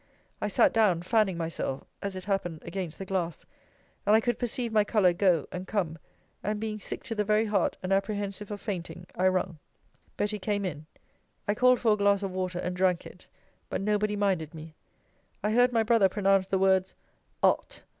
I sat down fanning myself, (as it happened, against the glass,) and I could perceive my colour go and come; and being sick to the very heart, and apprehensive of fainting, I rung. Betty came in. I called for a glass of water, and drank it: but nobody minded me. I heard my brother pronounce the words, Art!